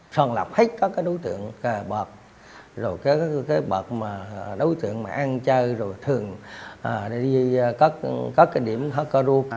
tròn lập hết các đối tượng bật rồi các đối tượng ăn chơi rồi thường đi các điểm hóa cơ ru